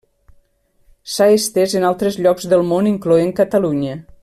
S'ha estés en altres llocs del món incloent Catalunya.